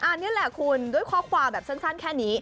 อันนี้แหละคุณด้วยข้อความแบบสั้นแค่นี้